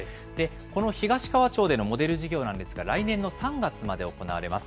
この東川町でのモデル事業なんですが、来年の３月まで行われます。